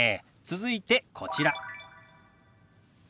続いてこちら。